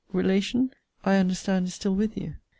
] relation I understand is still with you.